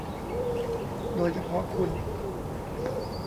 โดยเฉพาะคุณ